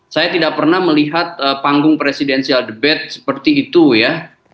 saya tidak pernah melihat panggung presidensial the bed seperti itu ya